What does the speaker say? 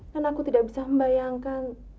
dan aku tidak bisa membayangkan